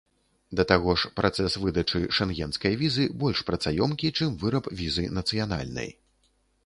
Да таго ж працэс выдачы шэнгенскай візы больш працаёмкі, чым выраб візы нацыянальнай.